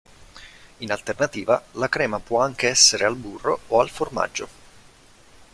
In alternativa la crema può essere anche al burro o al formaggio.